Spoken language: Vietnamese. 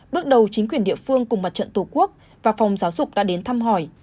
bước đầu chính quyền địa phương cùng mặt trận tổ quốc và phòng giáo dục đã đến thăm hỏi